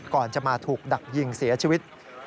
ก่อนจะมาถูกดักยิงเสียชีวิต